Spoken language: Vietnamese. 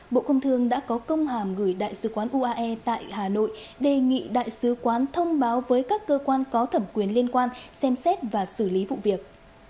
bộ công thương đã có công hàm gửi đại sứ quán uae tại hà nội đề nghị đại sứ quán thông báo với các cơ quan có thẩm quyền liên quan xem xét và xử lý vụ việc